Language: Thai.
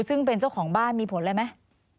ซึ่งเป็นเจ้าของบ้านมีผลอะไรไหม